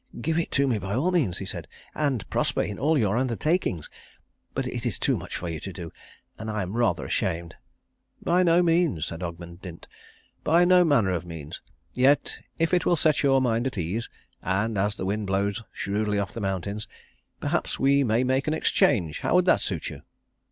"Give it to me by all means," he said, "and prosper in all your undertakings! But it is too much for you to do and I am rather ashamed." "By no means," said Ogmund Dint, "by no manner of means. Yet if it will set your mind at ease, and as the wind blows shrewdly off the mountains, perhaps we may make an exchange. How would that suit you?"